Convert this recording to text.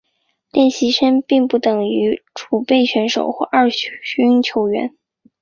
练习生并不等于储备选手或二军球员。